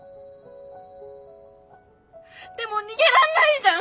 でも逃げらんないじゃん！